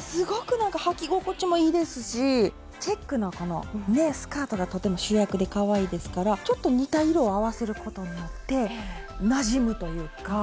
すごくなんかはき心地もいいですしチェックのこのスカートがとても主役でかわいいですからちょっと似た色を合わせることによってなじむというか。